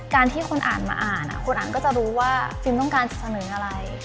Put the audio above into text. ที่คนอ่านมาอ่านคนอ่านก็จะรู้ว่าฟิล์มต้องการจะเสนออะไร